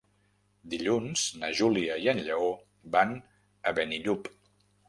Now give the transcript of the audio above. Dilluns na Júlia i en Lleó van a Benillup.